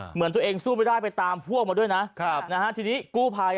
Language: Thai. เหมือนตัวเองสู้ไม่ได้ไปตามพวกมาด้วยนะครับนะฮะทีนี้กู้ภัย